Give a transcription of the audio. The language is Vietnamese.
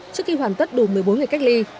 trước khi hoàn tất đủ một mươi bốn ngày cách ly